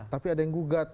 tapi ada yang gugat